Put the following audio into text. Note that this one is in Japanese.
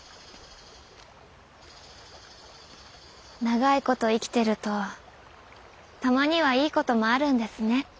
長い事生きてるとたまにはいい事もあるんですね。